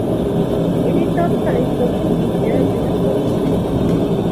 এটি তৎকালীন দক্ষিণ এশিয়ার বৃহত্তম মসজিদ।